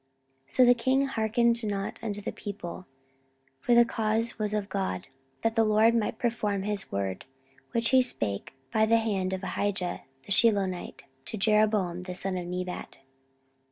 14:010:015 So the king hearkened not unto the people: for the cause was of God, that the LORD might perform his word, which he spake by the hand of Ahijah the Shilonite to Jeroboam the son of Nebat.